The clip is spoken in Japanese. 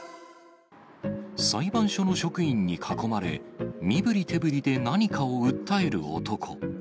裁判所の職員に囲まれ、身ぶり手ぶりで何かを訴える男。